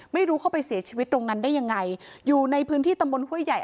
ไม่รู้เขาไปเสียชีวิตตรงนั้นได้ยังไงอยู่ในพื้นที่ตำบลห้วยใหญ่